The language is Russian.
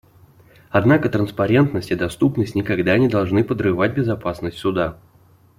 Однако транспарентность и доступность никогда не должны подрывать безопасность Суда.